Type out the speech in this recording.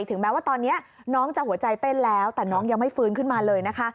แม้ว่าตอนนี้น้องจะหัวใจเต้นแล้วแต่น้องยังไม่ฟื้นขึ้นมาเลยนะคะ